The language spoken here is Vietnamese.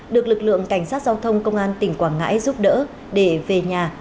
được lực lượng cảnh sát giao thông công an tỉnh quảng ngãi giúp đỡ để về nhà